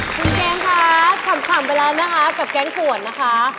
คุณเจมส์ค่ะขำไปแล้วนะคะกับแก๊งขวดนะคะ